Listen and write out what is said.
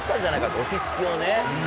落ち着きをね。